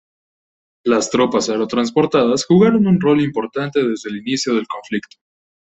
Las Tropas Aerotransportadas jugaron un rol importante desde el inicio del conflicto.